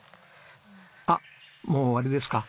あっもう終わりですか？